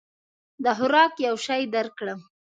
د خوراک یو شی درکړم؟